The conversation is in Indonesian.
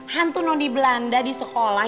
hantu noni belanda di sekolah